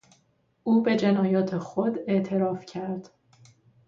او به جنایات خود اعتراف کرد.